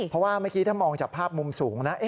เพราะว่าเมื่อกี้ถ้ามองจากภาพมุมสูงนะ